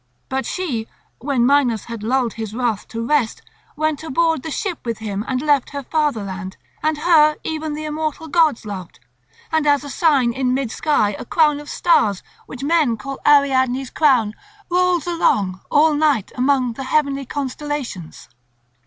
But she, when Minos had lulled his wrath to rest, went aboard the ship with him and left her fatherland; and her even the immortal gods loved, and, as a sign in mid sky, a crown of stars, which men call Ariadne's crown, rolls along all night among the heavenly constellations.